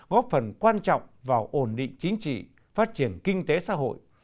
góp phần quan trọng vào ổn định chính trị phát triển kinh tế xã hội